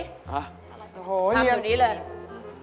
ห้ะโอ้โฮถามตัวนี้เลย